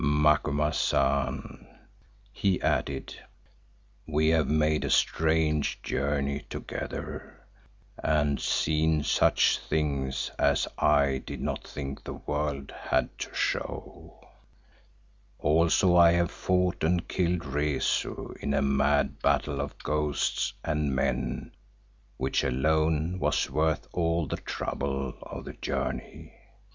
"Macumazahn," he added, "we have made a strange journey together and seen such things as I did not think the world had to show. Also I have fought and killed Rezu in a mad battle of ghosts and men which alone was worth all the trouble of the journey.